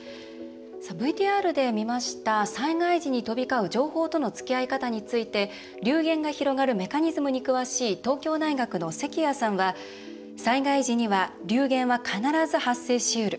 ＶＴＲで見ました災害時に飛び交う情報とのつきあい方について流言が広がるメカニズムに詳しい東京大学の関谷さんは「災害時には流言は必ず発生しうる。